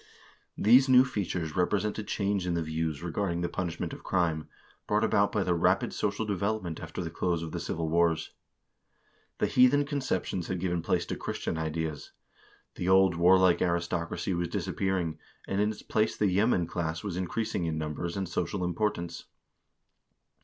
These new features represent a change in the views regarding the punishment of crime, brought about by the rapid social development after the close of the civil wars. The heathen conceptions had given place to Christian ideas; the old warlike aristocracy was disappearing, and in its place the yeoman class was increasing in numbers and social importance.